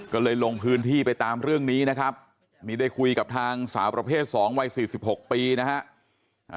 ก็เลยลงพื้นที่ไปตามเรื่องนี้นะครับมีได้คุยกับทางสาวประเภท๒วัย๔๖ปีนะฮะ